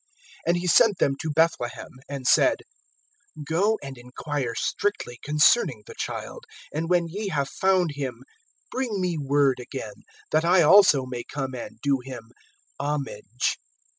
(8)And he sent them to Bethlehem, and said: Go and inquire strictly concerning the child; and when ye have found him, bring me word again, that I also may come and do him homage.